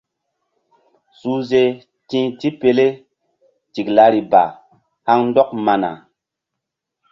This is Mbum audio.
Suhze ti tipele tiklari ba haŋ ndɔk mana.